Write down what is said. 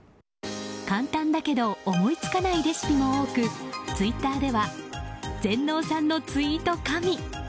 簡単だけど思いつかないレシピも多くツイッターでは全農さんのツイート神！